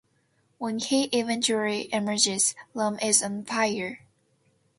When he eventually emerges, Rome is on fire.